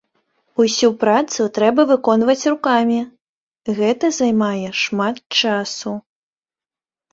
Усю працу трэба выконваць рукамі, гэта займае шмат часу.